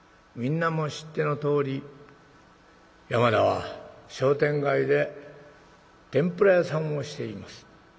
みんなも知ってのとおり山田は商店街で天ぷら屋さんをしています。